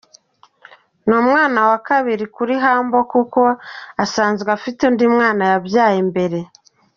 Ni umwana wa kabiri kuri Humble kuko asanzwe afite undi mwana yabyaye mbere.